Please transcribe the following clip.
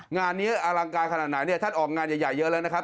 งานนี้อลังการขนาดไหนเนี่ยท่านออกงานใหญ่เยอะแล้วนะครับ